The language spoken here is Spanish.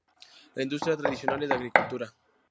La industria tradicional es la agricultura.